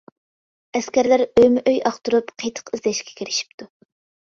ئەسكەرلەر ئۆيمۇ-ئۆي ئاختۇرۇپ قېتىق ئىزدەشكە كىرىشىپتۇ.